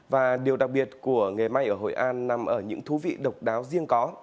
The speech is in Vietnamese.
và điều đặc biệt của nghề may ở hội an nằm ở những thú vị độc đáo riêng có